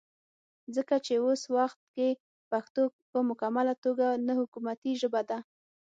ځکه چې وس وخت کې پښتو پۀ مکمله توګه نه حکومتي ژبه ده